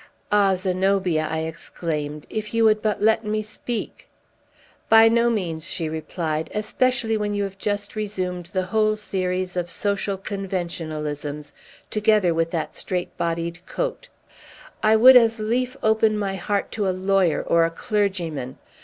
"Ah, Zenobia," I exclaimed, "if you would but let me speak!" "By no means," she replied, "especially when you have just resumed the whole series of social conventionalisms, together with that strait bodied coat. I would as lief open my heart to a lawyer or a clergyman!